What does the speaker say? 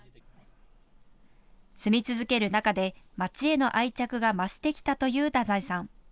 住み続ける中で町への愛着が増してきたという太宰さん。